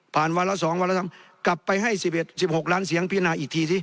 ผ่านวารสองวารสามกลับไปให้๑๖ล้านเสียงพินาอีกทีสิ